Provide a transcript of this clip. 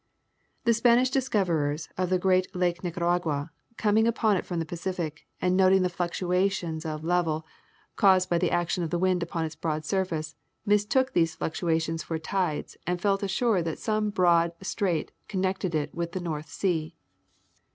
The Spanish discoverers of the great Lake Nicaragua, coming upon it from the Pacific, and noting the fluctuations of level caused O Across Nica/ragua with Transit and Machete. 319 by the action of the wind upon its broad surface, mistook these fluctuations for tides and felt assured that some broad strait con nected it with the North Sea.